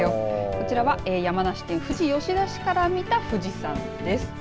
こちらは山梨県富士吉田市から見た富士山です。